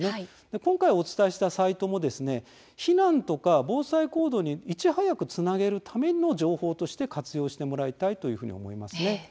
今回お伝えしたサイトも避難とか防災行動に、いち早くつなげるための情報として活用してもらいたいと思います。